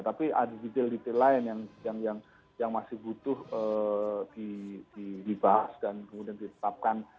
tapi ada detail detail lain yang masih butuh dibahas dan kemudian ditetapkan